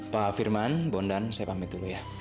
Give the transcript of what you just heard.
pak firman bondan saya pamit dulu ya